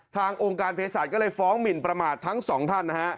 ทางองค์การเพศสัจกรรมก็เลยฟ้องหมิ่นประมาททั้ง๒ท่าน